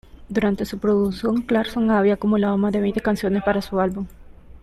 Durante su producción, Clarkson había acumulado más de veinte canciones para su álbum.